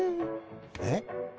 えっ？